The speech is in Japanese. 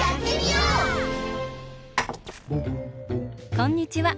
こんにちは。